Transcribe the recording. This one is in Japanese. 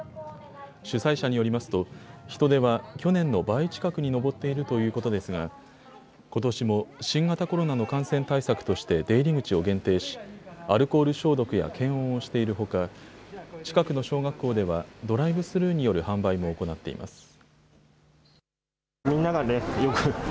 主催者によりますと人出は去年の倍近くに上っているということですがことしも新型コロナの感染対策として出入り口を限定しアルコール消毒や検温をしているほか近くの小学校ではドライブスルーによる販売も行っています。